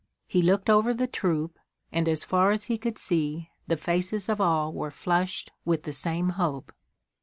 He looked over the troop, and as far as he could see the faces of all were flushed with the same hope.